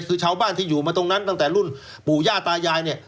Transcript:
คือชาวบ้านที่อยู่มาตรงนั้นตั้งแต่รุ่นปู่ย่าตายายเนี่ย